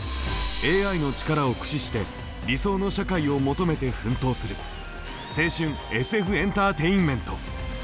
ＡＩの力を駆使して理想の社会を求めて奮闘する青春ＳＦエンターテインメント！